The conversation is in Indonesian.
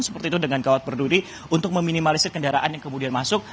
seperti itu dengan gawat berduri untuk meminimalisir kendaraan yang kemudian masuk